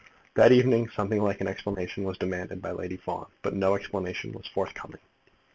That evening something like an explanation was demanded by Lady Fawn, but no explanation was forthcoming.